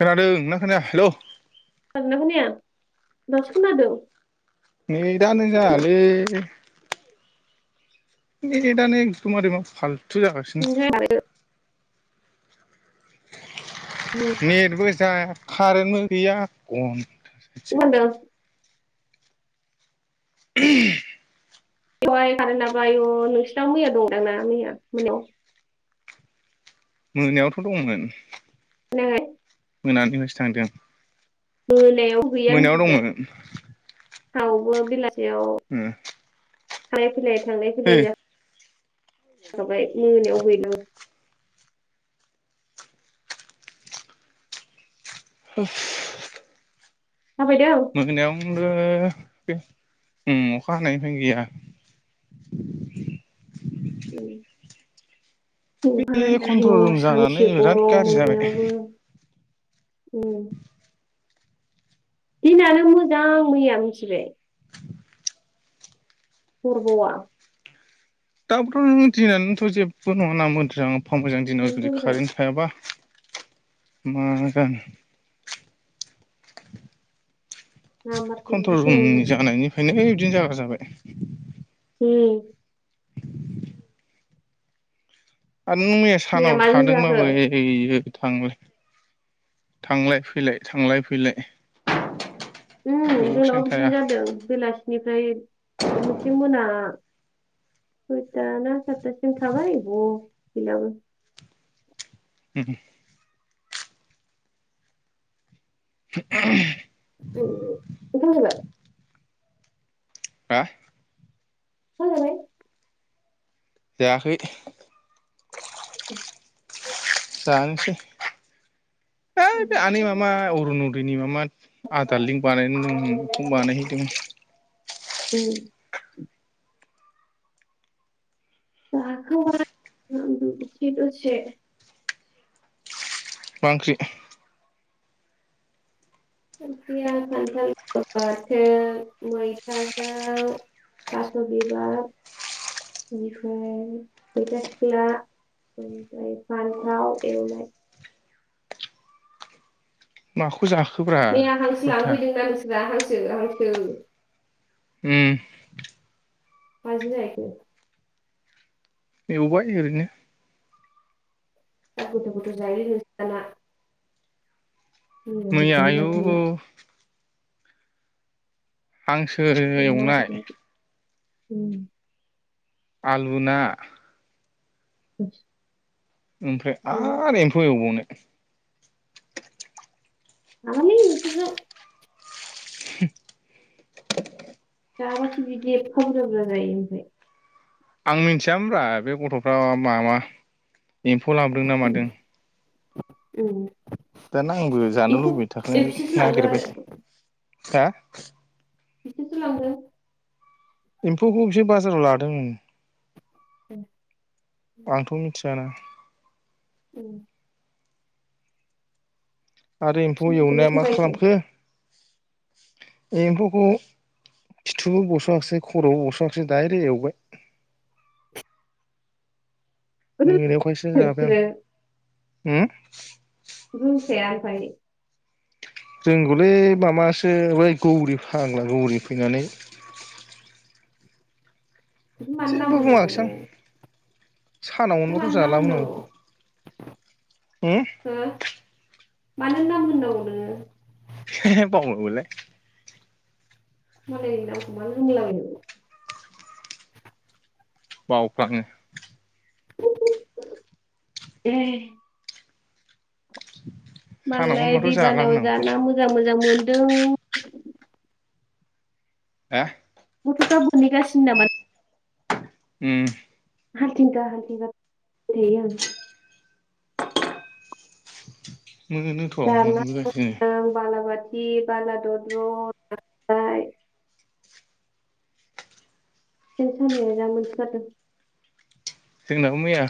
खोनादोंना खोनाया हेल'। खोनादोंना खोनाया दासो खोनादों। नेटानो जायालै। [unintelligible] जागासिनो। ओमफ्राय आरो उम नेटबो जाया कारेन्टबो गैया [unintelligible] [unintelligible] [unintelligible] बेवाय खारोना आय' नोंस्रा मैया दं दांना मैया मोनायाव? मोनायावथ' दंमोन। [unintelligible] मोनानिफ्रायसो थांदों। [unintelligible] [unintelligible] बेलासियाव मोनायाव दंमोन थांलाय- फैलाय थांलाय- है फैलाय माबाय मोनायाव हैनो [unintelligible] थाबायदों मोनायावबो उ अखा हानायनिफ्राय गैया। [unintelligible] बे कन्ट्रल रुम जानानै बिराद गाज्रि जाबाय उम। दिनानो मोजां मैया मिथिबाय। [unintelligible] दाबोथ' नों दिननानैथ' जेबो नङाना मोजां -मोजां दिनाव जुदि बेनोथ' बिराद कारेन्ट थायाबा [unintelligible] नाम्बारसो कन्ट्रल रुम लानांसिगोन जों। जानायनिफ्रायनो बिदिनो जागा जाबाय। [unintelligible] आरो नों मैया सानाव माजों थादोंबाबो जाखो ओइ [unintelligible] थांलाय -फैलाय थांलाय- फैलाय। उ दसेनो जोंनाव थाया बिदिनो जादों बेलासिनिफ्राय मोनसे मोना सयतना सातासिम थाबाय [unintelligible] [unintelligible] [unintelligible] [unintelligible] हा ओंखाम जाबाय? जायाखै। जानसै। उम। आनैै मामा अरुनदयनि मामा आदार जाबाय लिंक बानायनोनो बेखौ बानायहैदों ओम [unintelligible] मा ओंख्रि? ओंख्रिया खान्थाल बाथोन मैथाजों थास' बिबार ओमफ्राय मैथा सिख्ला आमफ्राय फानथाव एवनाइ माखौ जाखोब्रा मैया हांसो खयथा लांफैदोंना नोंस्रा हांसो हांसो उम माजों जाहैखो? एवबाय ओरैनो [unintelligible] मैया निरामिसखौनो आयु जाथारला हांसो ना एवनाय बेदर उम आलु ना [unintelligible] ओमफ्राय आरो एम्फौ एवबावनाय हालालै नोंसोरजों [unintelligible] जाबाखि बिदि एबफा बुज्रा बुज्रा जायो ओमफाय आं मिथियामोनब्रा बे गथ'फ्रा माबा एम्फौ लाबोदों ना मादों ओम दाना आंबो जानो ए लुबैथाखानो बिसोरसो लांदों नागिरबाय आरो हा? बिसोरसो लांदों एम्फौखौ बिसोर बाजाराव लादोंमोन ओम ए आंथ' मिथियाना औ आरो एम्फौ सनजिखौलाय एवनाया सोर मा बायखो खालामखो बे एम्फौखौ खिथु बस'आसै खर' बस'आसै डाइरेक्ट एवबाय रोङानो मोनायावखायसो जाबाय बिसोरो आं रोंखाया आमफाय रोंगौलै माबासो बै गौरि फाग्ला गौरि फैनानै जेबो बुङाखिसै आं [unintelligible] सानाव मोनबाथ' जालामोन आं नोङो । होम? नों मानो नाम होननांगौ नोङो? [unintelligible] मालायनि नामखौ मानो होनला बायो बावफ्लाङो [unintelligible] ए [inaudible] सानाव मालाय मोनबाथ' दैबानायाव जालामोन आं जा बेखौ ना मोजां मोजां मोनदों हो? गथ'फ्रा बोनहैगासिनो नामा उम हालथिंगा हालथिंगा [unintelligible] मोनोथ' [unintelligible] मोनबोगासिनो [unintelligible] बालादद्र खांख्राय सेन सानाया जा मोनसो गारदों। जोंनाबो मैया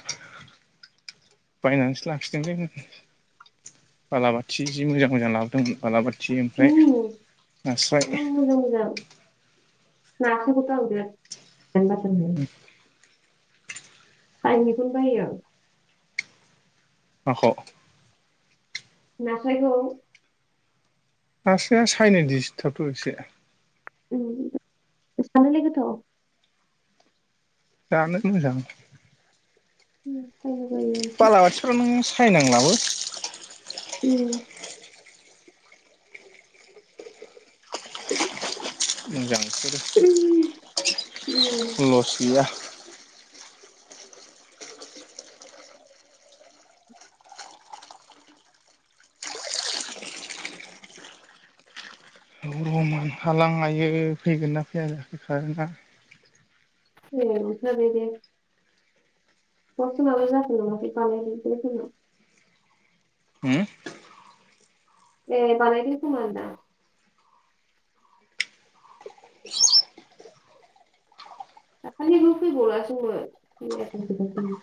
बायनानैसो लाखिदों जोङो। बालाबाथि जि मोजां मोजां लाबोदोंमोन बालाबाथ थि ओमफ्राय उम नास्राय नासो खोथ' आं बिरात जानो बाथारलै आं बेखौनो बायो। माख' नास्रायखौ नास्राया सायनो दिसथाबथ'' एसे उम ओ जानोलाय गोथाव। जानो मोजां। उम बायनो बायो ओमफ्राय। बालाबाथिफ्राव नों सायनांलाबो उम मोजांसो उम लस गैया। रमान हालां हायो फैगोन ना फैया जाखो खारेना अ थारै बे अ जोंनाबो जाथ'लाङाखै बानायाखैनो जोंनाव उम ए बानायाखैनो खोमा होनदां दाखालिबो फैबावलासोमोन मैयासो हगारदों।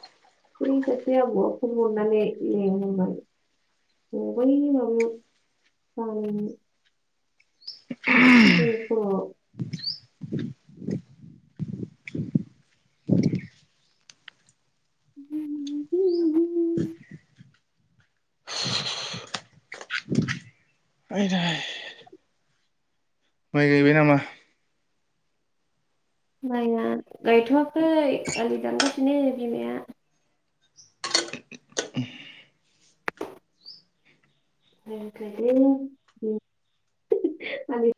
बै सासे आबौवा फन हरनानै लिंहरबाय। अ बै माबायाव गामिनि बै ग [unintelligible] [unintelligible] आयदै माइ गायबाय नामा माइया गायथ'वाखै आलि दानगासिनो बिमाया। हामथारदों उम [unintelligible] मानि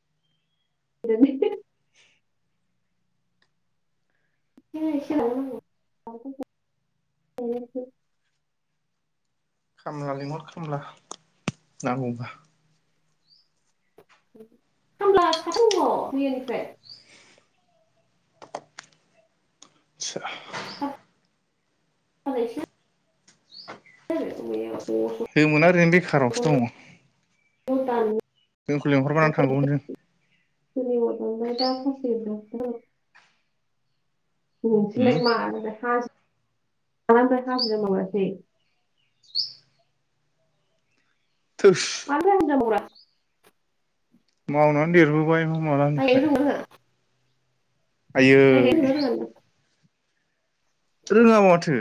जों [unintelligible] ए एसे माबानांगौ [unintelligible] खामला लेंहर खामला नांगौबा उम खामला साथाम दङ मैयानिफ्राय [unintelligible] दा आरो मैयाव होमोना रोंनि खारावसो दङ। बन दाननो जोंखौ लेंंहरबानो थांगौमोन जों सोरनिब [unintelligible] उम होम सिलाय मानोथो खास माबानिसै खासि जों माबानिसै। [inaudible] थोस मानोथो हाजिरा मावो रा मावनानै देरबोबाय मा माइ मालानिफ्राय गायनो रोंगौ ना रोङा माइ गायनो रोंगौना रोङा नोंलाय आयै रोङाबा माथो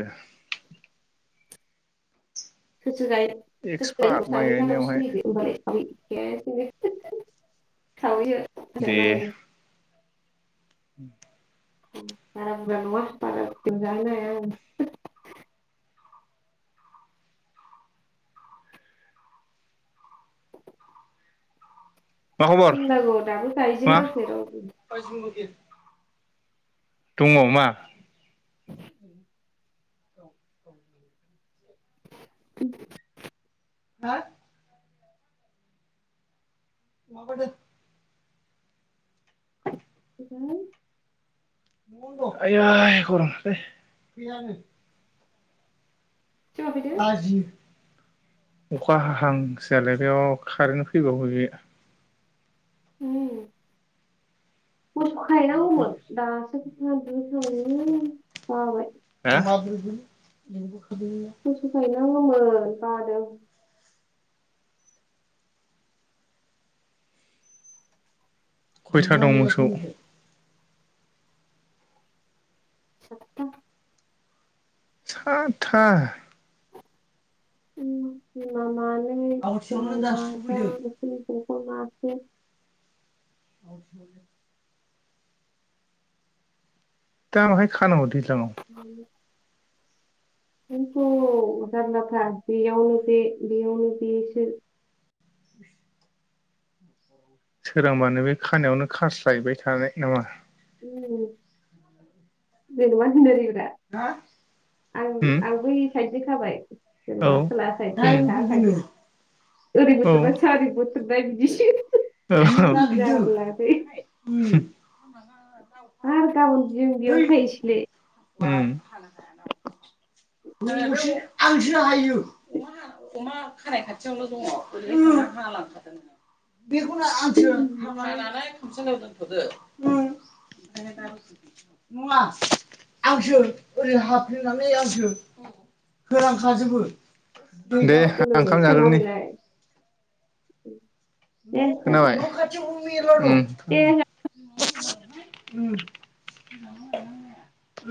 जिराय गोस एक्सपार्ट थोनायफोरखौ माइ सानै गायनायावहाय साथामसो बेखौ बानाय दे [unintelligible] [inaudible] उम बाराबुजा नङा बाराबुजा जाहोनो हाया आङो हो मा खबर थिननांगौ दाबो मा गायजेनाखै र' उम दङ मा? [unintelligible] उम हा मवाबादों हो आयोय गरम थारलौ माफैदो लाजियो अखा हाहांसो जालायबाय अ खारेन्ट फैबागोन बियो हु मोसौ खायैनांगौमोन दासो सफा दुगैखांबायमोन आं बाय लेबोखादोमोना न'आवनो दंमोन बादों खयथा दं मोसौ? [unintelligible] सा--था बिमा मानै मानि फिसा माथाम [unintelligible] [unintelligible] दा माहाय खानांग दैज्लाङाव? [unintelligible] ओंखायनोथ जारलाथार बियावनो बे बियावनो बे सो। [unintelligible] सोरांबानो बे खानायावनो खास्लायबाय थानाय नामा? उम जेनोबा उम आं-आं बैहायसो खाबाय औ बोरमाथ' औ लाखायाखै ओरै बोथ्रोद बायथा ओरै बोथ्रोदबाय इसोर जारलादै आरो गाबोन बियो बियावनो खाहैयनिसै उम आंसो हायो अमा खानाय खाथियावनो' दङ रै हा लांखादों। बेखौनो आंसो हामायनानै खामसालियाव दोनथ'दो [unintelligible] नङा आंसो ओरै हाल्फेनानै आंसो होनांखाजोबो दे आं ओंखाम दोननांलायसै नामा जाग्रोनोनि बेलाय [unintelligible] दे जादो खोनाबाय दे उम उम